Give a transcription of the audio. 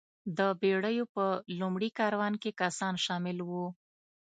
د بېړیو په لومړي کاروان کې کسان شامل وو.